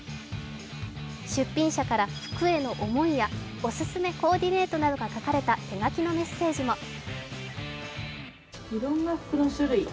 出品者から服への思いやおすすめコーディネートなどが書かれた手書きのメッセージも。